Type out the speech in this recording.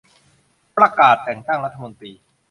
ประกาศแต่งตั้งรัฐมนตรี